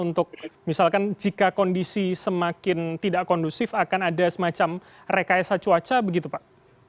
untuk misalkan jika kondisi semakin tidak kondusif akan ada semacam rekayasa cuaca begitu pak